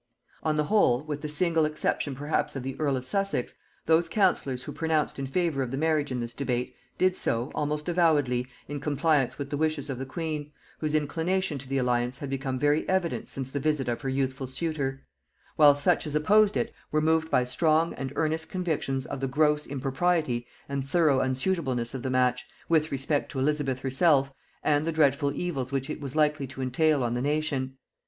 On the whole, with the single exception perhaps of the earl of Sussex, those counsellors who pronounced in favor of the marriage in this debate, did so, almost avowedly, in compliance with the wishes of the queen, whose inclination to the alliance had become very evident since the visit of her youthful suitor; while such as opposed it were moved by strong and earnest convictions of the gross impropriety and thorough unsuitableness of the match, with respect to Elizabeth herself, and the dreadful evils which it was likely to entail on the nation.